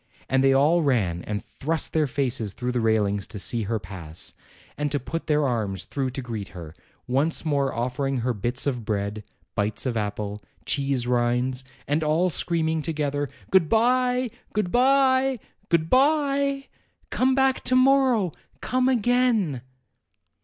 And they all ran and thrust their faces through the GYMNASTICS 215 railings to see her pass, and to put their arms through to greet her, once more offering her bits of bread, bites of apple, cheese rinds, and all screaming together: "Good bye! good bye! good bye! Come back to morrow! Come again!"